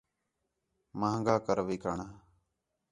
مہنگا کر وِکݨ